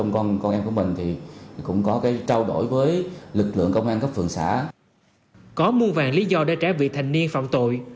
có mua vàng lý do để trẻ vị thành niên phạm tội